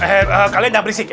eh eh kalian jangan berisik ya